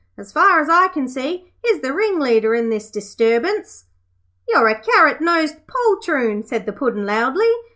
As far as I can see, he's the ringleader in this disturbance.' 'You're a carrot nosed poltroon,' said the Puddin' loudly.